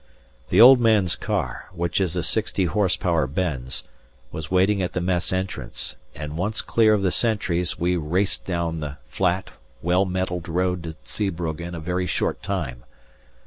The Old Man's car, which is a sixty horse power Benz, was waiting at the Mess entrance, and once clear of the sentries we raced down the flat, well metalled road to Zeebrugge in a very short time.